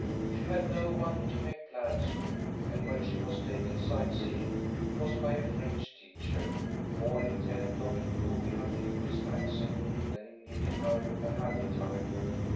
She had no one to make plans with, and when she was taken sightseeing it was by a French teacher, more intent on improving her pupil's accent than in giving her a happy time.